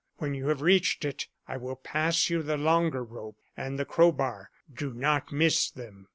When you have reached it, I will pass you the longer rope and the crowbar. Do not miss them.